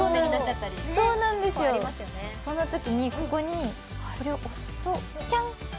そんなときにここに、これを押すとジャン！